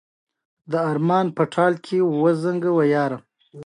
لایکي د ویډیو جوړولو لپاره رنګین اغېزونه وړاندې کوي.